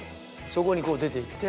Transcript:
そこにこう出ていって。